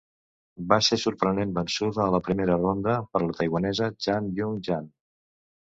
Va ser sorprenent vençuda a la primera ronda per la taiwanesa Chan Yung-jan.